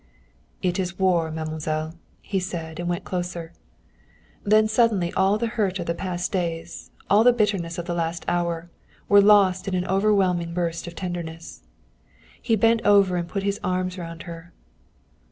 "It is war, mademoiselle," he said, and went closer. Then suddenly all the hurt of the past days, all the bitterness of the last hour, were lost in an overwhelming burst of tenderness. He bent over her and put his arms round her.